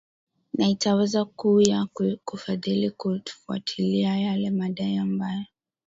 na itaweza kuya ku kufadhili kufwatilia yale madai ambayo